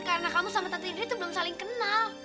karena kamu sama tante indri tuh belum saling kenal